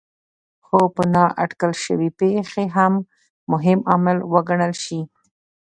خو په نااټکل شوې پېښې هم مهم عامل وګڼل شي.